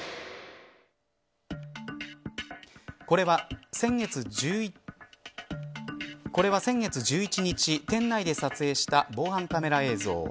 これは先月１１日店内で撮影した防犯カメラ映像。